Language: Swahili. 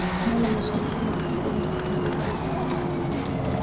Eneo la Mashariki mwa Kongo lina utajiri mkubwa wa madini